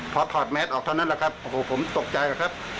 พอถอดแมสออกเท่านั้นแหละครับโอ้โหผมตกใจครับ